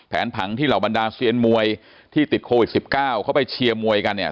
ผังที่เหล่าบรรดาเซียนมวยที่ติดโควิด๑๙เขาไปเชียร์มวยกันเนี่ย